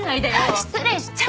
失礼しちゃう！